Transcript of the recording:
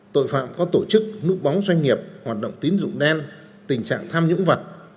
tội phạm có tổ chức núp bóng doanh nghiệp hoạt động tín dụng đen tình trạng tham nhũng vật